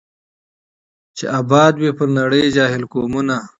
چي آباد وي پر نړۍ جاهل قومونه